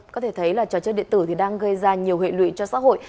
có thể thấy là trò chơi điện tử thì đang gây ra nhiều hệ lụy cho xã hội